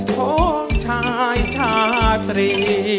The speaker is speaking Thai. ของชายชาตรี